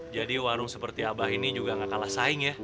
jadi warung seperti abah ini juga gak kalah saing ya